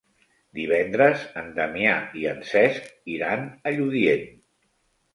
Divendres en Damià i en Cesc iran a Lludient.